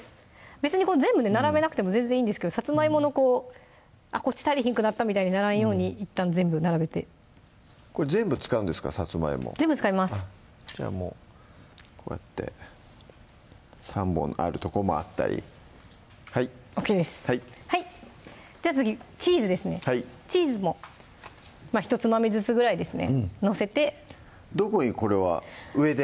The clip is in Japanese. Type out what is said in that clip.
別に全部並べなくても全然いいんですけどさつまいものあっこっち足りひんくなったみたいにならんようにいったん全部並べてこれ全部使うんですかさつまいも全部使いますじゃあもうこうやって３本あるとこもあったりはいＯＫですじゃ次チーズですねチーズもまぁひとつまみずつぐらいですね載せてどこにこれは上で？